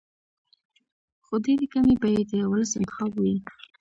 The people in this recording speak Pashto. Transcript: خو ډېرې کمې به یې د ولس انتخاب وي.